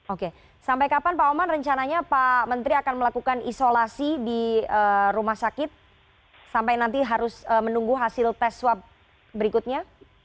oke sampai kapan pak oman rencananya pak menteri akan melakukan isolasi di rumah sakit sampai nanti harus menunggu hasil tes swab berikutnya